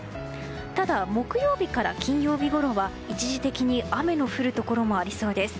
ただ、木曜日から金曜日ごろは一時的に雨の降るところもありそうです。